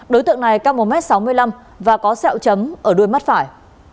đối tượng này cao một m sáu mươi năm và có sẹo chấm ở đuôi mắt phải